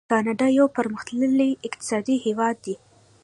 کاناډا یو پرمختللی اقتصادي هیواد دی.